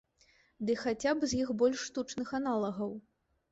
Ды хаця б з іх больш штучных аналагаў?